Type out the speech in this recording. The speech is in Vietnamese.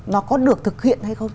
nó có được thực hiện hay không